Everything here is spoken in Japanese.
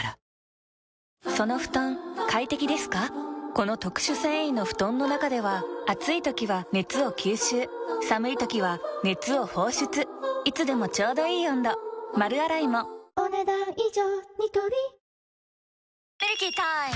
この特殊繊維の布団の中では暑い時は熱を吸収寒い時は熱を放出いつでもちょうどいい温度丸洗いもお、ねだん以上。